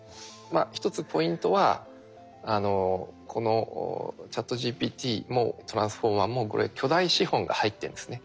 一つポイントはこのＣｈａｔＧＰＴもＴｒａｎｓｆｏｒｍｅｒもこれ巨大資本が入ってるんですね。